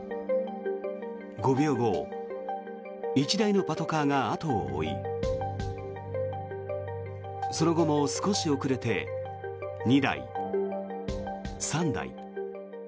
５秒後１台のパトカーが後を追いその後も少し遅れて２台、３台。